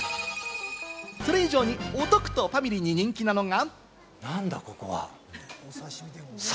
それ以上にお得とファミリーに人気なのが。